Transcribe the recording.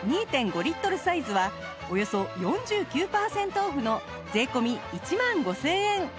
リットルサイズはおよそ４９パーセントオフの税込１万５０００円